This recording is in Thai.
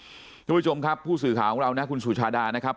คุณผู้ชมครับผู้สื่อข่าวของเรานะคุณสุชาดานะครับ